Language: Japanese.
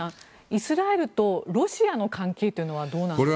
イスラエルとロシアの関係はどうなんですか？